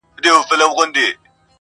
یو مي زړه نه دی چي تا باندي فِدا دی,